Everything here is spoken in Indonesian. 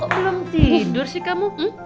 belum tidur sih kamu